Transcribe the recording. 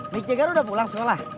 mik jagar udah pulang sekolah